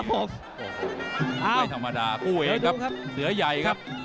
โอ้โหไม่ธรรมดาคู่เอกครับเสือใหญ่ครับ